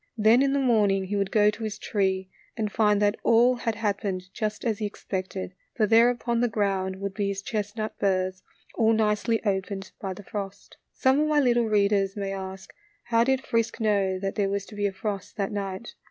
Then in the morning he would go to his tree and find that all had happened just as he expected, for there upon the ground would be his chestnut burrs all nicely opened by the frost. Some of my little readers may ask, How did Frisk know that there was to be a frost that night